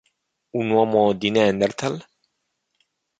Un uomo di Neanderthal?